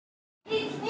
１２！